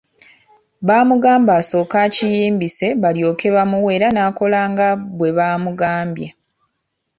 Baamugamba asooke akiyimbise balyoke bamuwe era n'akola nga bwe bamugambye.